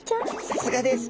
さすがです。